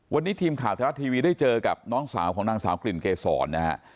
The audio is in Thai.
วันนี้ทีมข่าวไทยรัฐทีวีได้เจอกับน้องสาวของนางสาวกลิ่นเกษรนะฮะ